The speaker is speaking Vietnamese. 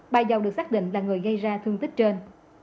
bà dâu được xác định là người gây ra thương tích trên